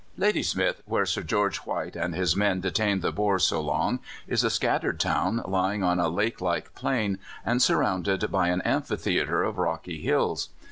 Ladysmith, where Sir George White and his men detained the Boers so long, is a scattered town lying on a lake like plain, and surrounded by an amphitheatre of rocky hills.